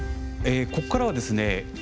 ここからはですね